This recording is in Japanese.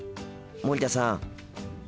森田さん。